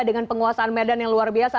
dengan penguasaan medan yang luar biasa